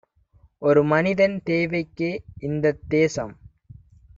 ஒருமனிதன் தேவைக்கே இந்தத் தேசம்